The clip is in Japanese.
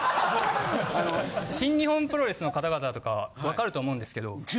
新日本プロレスの方々とか分かると思うんですけど。